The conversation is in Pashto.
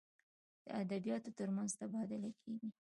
د ادبیاتو تر منځ تبادله کیږي.